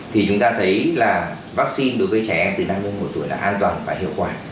thì chúng ta thấy là vaccine đối với trẻ em từ năm đến một mươi một tuổi là an toàn và hiệu quả